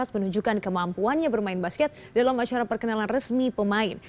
menunjukkan kemampuannya bermain basket dalam acara perkenalan resmi pemain